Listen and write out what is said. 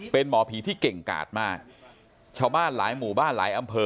เป็นหมอผีที่เก่งกาดมากชาวบ้านหลายหมู่บ้านหลายอำเภอ